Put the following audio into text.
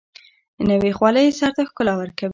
نوې خولۍ سر ته ښکلا ورکوي